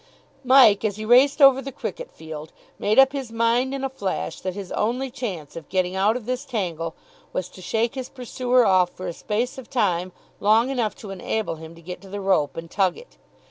Mike, as he raced over the cricket field, made up his mind in a flash that his only chance of getting out of this tangle was to shake his pursuer off for a space of time long enough to enable him to get to the rope and tug it.